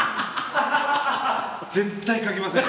絶対書きません。